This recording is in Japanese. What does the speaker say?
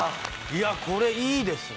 いやこれいいですね。